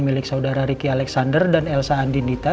milik saudara riki alexander dan elsa andindita